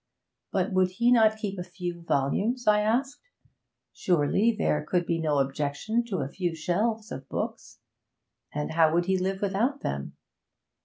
But would he not keep a few volumes? I asked. Surely there could be no objection to a few shelves of books; and how would he live without them?